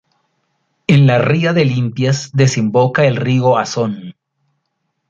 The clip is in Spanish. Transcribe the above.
En la ría de Limpias desemboca el río Asón.